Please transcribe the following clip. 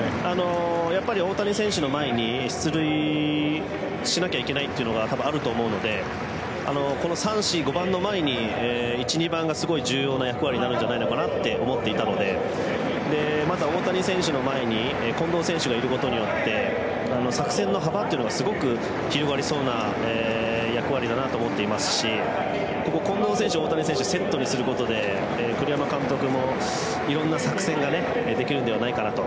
やっぱり大谷選手の前に出塁しなきゃいけないというのが多分、あると思うのでこの３、４、５番の前の１、２番が重要な役割ではと思っていたのでまた大谷選手の前に近藤選手がいることによって作戦の幅がすごく広がりそうな役割だなと思っていますし近藤選手、大谷選手をセットにすることで栗山監督もいろんな作戦ができるんじゃないかなと。